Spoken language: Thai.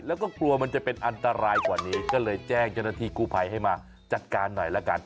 แล้วก็กลัวมันจะเป็นอันตรายกว่านี้ก็เลยแจ้งเจ้าหน้าที่กู้ภัยให้มาจัดการหน่อยละกัน